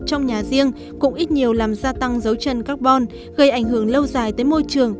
trong nhà riêng cũng ít nhiều làm gia tăng dấu chân carbon gây ảnh hưởng lâu dài tới môi trường